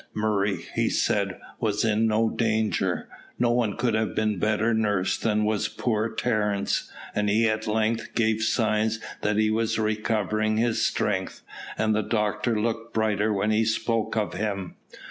Murray, he said, was in no danger. No one could have been better nursed than was poor Terence, and he at length gave signs that he was recovering his strength, and the doctor looked brighter when he spoke of him.